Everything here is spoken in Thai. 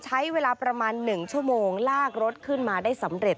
ใช้เวลาประมาณ๑ชั่วโมงลากรถขึ้นมาได้สำเร็จ